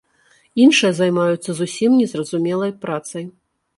Іншыя займаюцца зусім незразумелай працай.